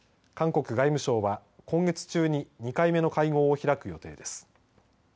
韓国外務省は、今月中に２回目の会合を開く予定です。